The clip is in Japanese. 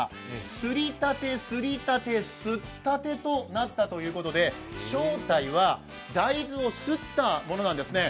すりたて、すりたて、すったてとなったということで、正体は大豆をすったものなんですね。